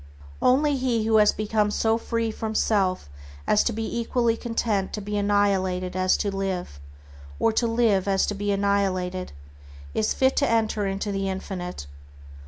Only he who has become so free from self as to be equally content to be annihilated as to live, or to live as to be annihilated, is fit to enter into the Infinite.